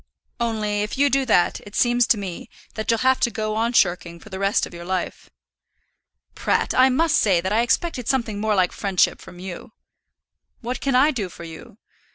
Only if you do that it seems to me that you'll have to go on shirking for the rest of your life." "Pratt, I must say that I expected something more like friendship from you." "What can I do for you?